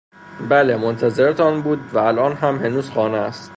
بله، منتظرتان بود و الان هم هنوز خانه است.